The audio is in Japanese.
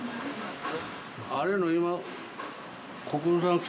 あれの今。